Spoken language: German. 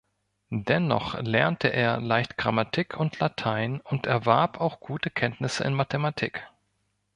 Dennoch lernte er leicht Grammatik und Latein und erwarb auch gute Kenntnisse in Mathematik.